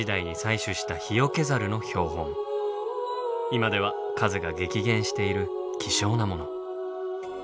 今では数が激減している希少なもの。